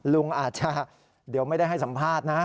ลุงอาจจะเดี๋ยวไม่ได้ให้สัมภาษณ์นะ